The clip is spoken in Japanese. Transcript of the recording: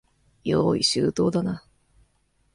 用意周到だな。